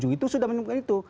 itu sudah menunjukkan itu